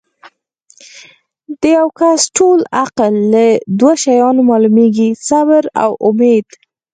د یو کس ټول عقل لۀ دوه شیانو معلومیږي صبر او اُمید